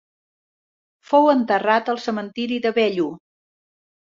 Fou enterrat al cementiri de Bellu.